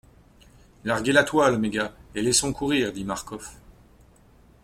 Larguez la toile mes gars, et laissons courir, dit Marcof.